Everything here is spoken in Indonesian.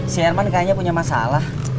si herman kayaknya punya masalah